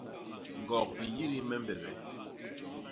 Ñgok i nyidis me mbegee.